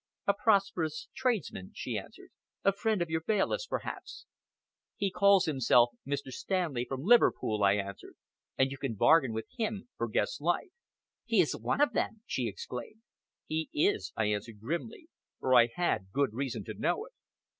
"A prosperous tradesman," she answered. "A friend of your bailiff's, perhaps." "He calls himself Mr. Stanley from Liverpool," I answered, "and you can bargain with him for Guest's life." "He is one of them!" she exclaimed. "He is," I answered grimly, for I had good reason to know it.